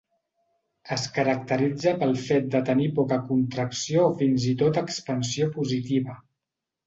Es caracteritza pel fet de tenir poca contracció o fins i tot expansió positiva.